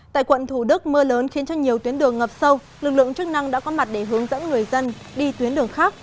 tại quận thủ đức mưa lớn khiến cho nhiều tuyến đường ngập sâu lực lượng chức năng đã có mặt để hướng dẫn người dân đi tuyến đường khác